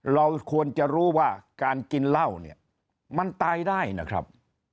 เราควรจะรู้ว่าการกินเหล้าเนี่ยมันตายได้นะครับ